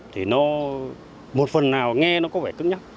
thì nó một phần nào nghe nó có vẻ cứng nhắc